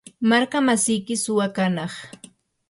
markamasiyki suwa kanaq.